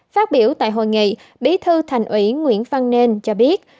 phát biểu tại hội nghị bí thư thành ủy nguyễn văn nên cho biết